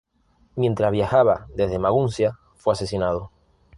Mientras viajaba desde Maguncia, fue asesinado.